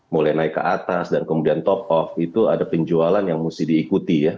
mulai naik ke atas dan kemudian top off itu ada penjualan yang mesti diikuti ya